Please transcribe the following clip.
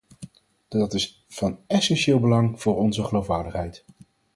Dat is van essentieel belang voor onze geloofwaardigheid.